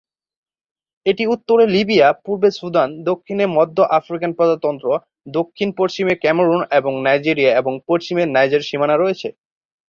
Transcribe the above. এটি উত্তরে লিবিয়া, পূর্বে সুদান, দক্ষিণে মধ্য আফ্রিকান প্রজাতন্ত্র, দক্ষিণ-পশ্চিমে ক্যামেরুন এবং নাইজেরিয়া এবং পশ্চিমে নাইজার সীমানা করেছে।